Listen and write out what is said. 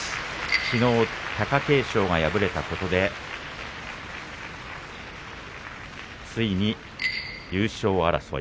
きのう貴景勝が敗れたことでついに優勝争い